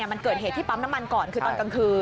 มันเกิดเหตุที่ปั๊มน้ำมันก่อนคือตอนกลางคืน